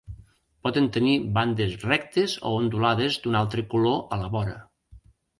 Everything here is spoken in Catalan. Poden tenir bandes rectes o ondulades d'un altre color a la vora.